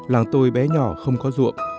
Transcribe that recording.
làng tôi bé nhỏ không có ruộng